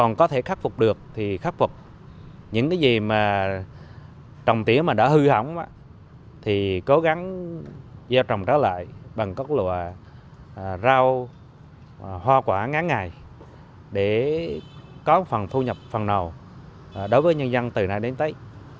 nếu khắc phục được thì khắc phục những cái gì mà trồng tỉa mà đã hư hỏng thì cố gắng gieo trồng trá lại bằng các loại rau hoa quả ngán ngày để có phần thu nhập phần nào đối với nhân dân từ nay đến tới